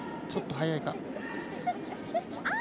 ちょっと速いか。